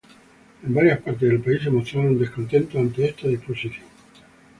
En varias partes del país se mostraron descontentos ante esta disposición.